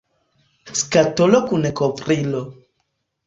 Skatolo kun kovrilo.